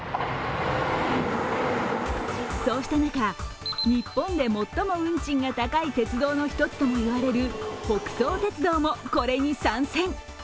そうした中、日本で最も運賃が高い鉄道の一つとも言われる北総鉄道も、これに参戦。